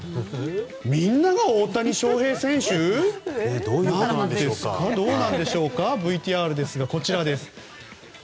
みんなが大谷翔平選手ということなんでしょうかＶＴＲ、こちらです。